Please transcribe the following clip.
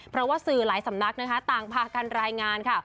เพราะว่าสื่อหลายสำนักนะคะต่างพากันรายงานค่ะ